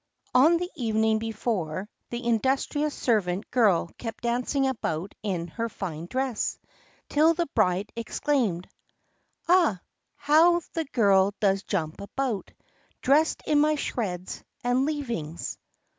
On the evening before, the industrious servant girl kept dancing about in her fine dress, till the bride exclaimed: "Ah! how the girl does jump about, Dressed in my shreds and leavings!"